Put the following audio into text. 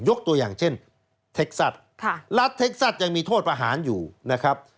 ตัวอย่างเช่นเท็กซัตว์รัฐเท็กซัตยังมีโทษประหารอยู่นะครับ